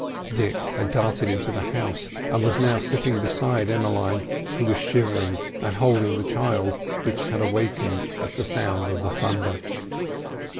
Dick had darted into the house, and was now sitting beside Emmeline, who was shivering and holding the child, which had awakened at the sound of the thunder.